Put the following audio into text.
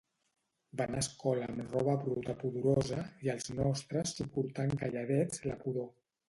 Van a escola amb roba bruta pudorosa i els nostres soportant calladets la pudor